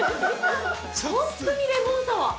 ◆本当にレモンサワー。